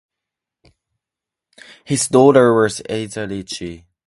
His daughter was Eliza Ritchie.